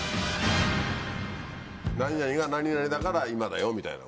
何々が何々だから今だよみたいなこと？